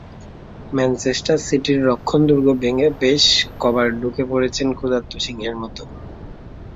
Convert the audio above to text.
Manchester সিটির রক্ষণদুর্গ ভেঙে বেশ কবার ঢুকে পড়েছেন ক্ষুধার্ত সিংহের মতো।